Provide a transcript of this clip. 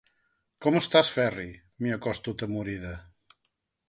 Com estàs, Ferri? –m'hi acosto, atemorida.